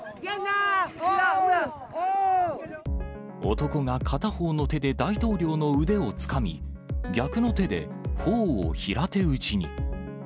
男が片方の手で大統領の腕をつかみ、逆の手でほおを平手打ちに。